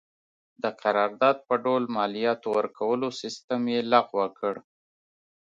د قرارداد په ډول مالیاتو ورکولو سیستم یې لغوه کړ.